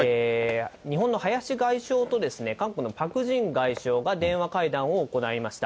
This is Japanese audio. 日本の林外相と韓国のパク・ジン外相が電話会談を行いました。